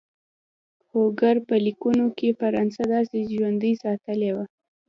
هوګو په لیکونو کې فرانسه داسې ژوندۍ ساتلې وه.